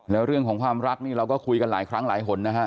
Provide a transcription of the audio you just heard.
แล้วเรื่องของความรักนี่เราก็คุยกันหลายครั้งหลายหนนะฮะ